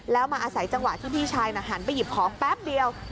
แล้วมาอาศัยจังหวะที่พี่ชายน่ะหันไปหยิบของแป๊บเดียว